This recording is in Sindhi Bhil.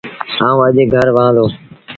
آئوٚݩ اَڄ گھر وهآن دو۔